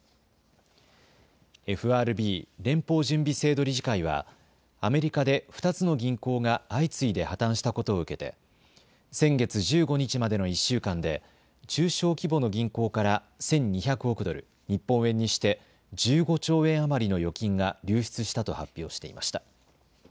ＦＲＢ・連邦準備制度理事会はアメリカで２つの銀行が相次いで破綻したことを受けて先月１５日までの１週間で中小規模の銀行から１２００億ドル、日本円にして１５兆円余りの預金が流出したと発表していました。